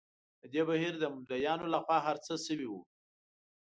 د دې بهیر د مدعییانو له خوا هر څه شوي وو.